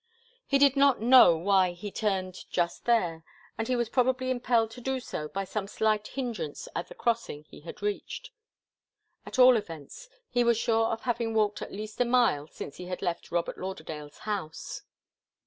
He did not know why he turned just there, and he was probably impelled to do so by some slight hindrance at the crossing he had reached. At all events, he was sure of having walked at least a mile since he had left Robert Lauderdale's house.